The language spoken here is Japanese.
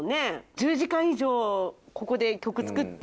１０時間以上ここで曲作って。